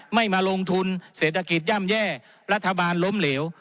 ไม่มาลงทุนเศรษฐกิจย่ำแย่รัฐบาลล้มเหลว